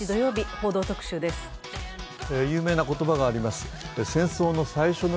有名な言葉があります。